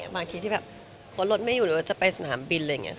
บางทีที่คนรถไม่อยู่เราจะไปสนามบินเลย